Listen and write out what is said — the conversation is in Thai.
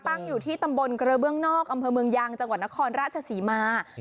ตั้งอยู่ที่ตำบลกระเบื้องนอกอำเภอเมืองยางจังหวัดนครราชศรีมา